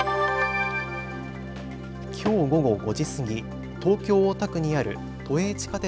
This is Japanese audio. きょう午後５時過ぎ、東京大田区にある都営地下鉄